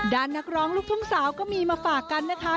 นักร้องลูกทุ่งสาวก็มีมาฝากกันนะคะ